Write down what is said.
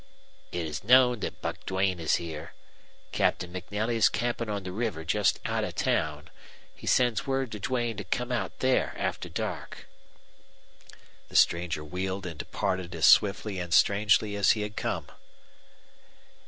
"It is known that Buck Duane is here. Captain MacNelly's camping on the river just out of town. He sends word to Duane to come out there after dark." The stranger wheeled and departed as swiftly and strangely as he had come.